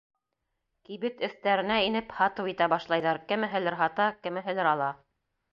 Кибет эҫтәренә инеп, һатыу итә башлайҙар, кемеһелер һата, кемеһелер ала.